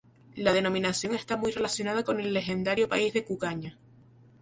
La denominación está muy relacionada con el legendario país de Cucaña.